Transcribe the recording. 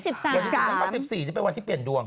วัน๑๔นี่เป็นวันที่เปลี่ยนดวง